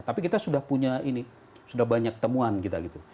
tapi kita sudah punya ini sudah banyak temuan kita gitu